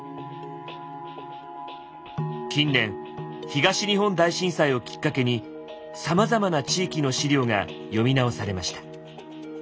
近年東日本大震災をきっかけにさまざまな地域の史料が読み直されました。